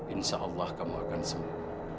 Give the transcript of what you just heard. insya allah kamu akan sembuh